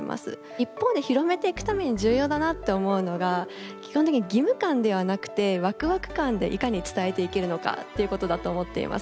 一方で広めていくために重要だなって思うのが基本的に義務感ではなくてワクワク感でいかに伝えていけるのかっていうことだと思っています。